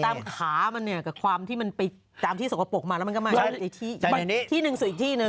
ตามขามันเนี้ยกับความที่มันไปตามที่สกปกมาแล้วมันก็มาที่อีกอีกที่